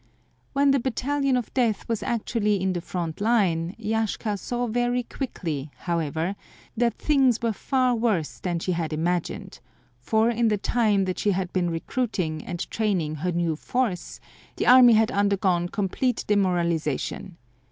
When the Battalion of Death was actually in the front line Yashka saw very quickly, however, that things were far worse than she had imagined, for in the time that she had been recruiting and training her new force, the army had undergone complete demoralization.